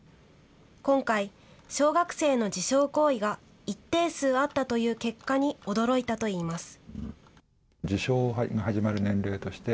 今回、小学生の自傷行為が一定数あったという結果に驚いたといいます。